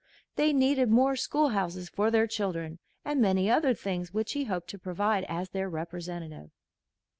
They needed more school houses for their children, and many other things which he hoped to provide as their Representative.